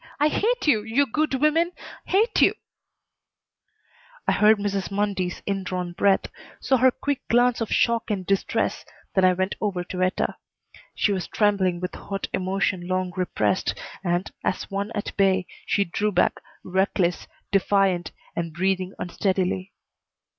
I hate you you good women! Hate you!" I heard Mrs. Mundy's indrawn breath, saw her quick glance of shock and distress, then I went over to Etta. She was trembling with hot emotion long repressed, and, as one at bay, she drew back, reckless, defiant, and breathing unsteadily.